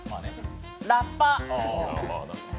ラッパ。